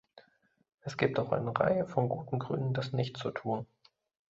Es gibt auch eine Reihe von guten Gründen, das nicht zu tun.